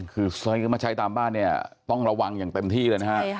คือซื้อมาใช้ตามบ้านเนี่ยต้องระวังอย่างเต็มที่เลยนะฮะ